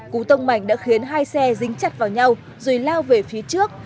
cú tông mạnh đã khiến hai xe dính chặt vào nhau rồi lao về phía trước